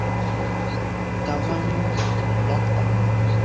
gavana dakta daudi ballali aliteuliwa mwaka elfu moja mia tisa tisini